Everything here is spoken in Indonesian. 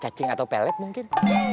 cacing atau pelet mungkin